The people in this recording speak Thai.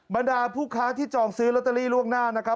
บรรดาผู้ค้าที่จองซื้อลอตเตอรี่ล่วงหน้านะครับ